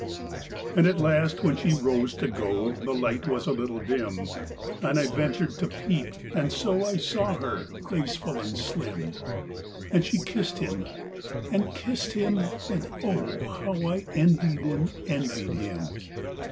And at last when she rose to go, The light was a little dim, And I ventured to peep, and so I saw her, graceful and slim, And she kissed him and kissed him, and oh How I envied and envied him!